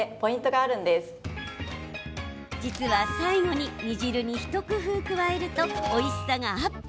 実は最後に煮汁に一工夫加えると、おいしさがアップ。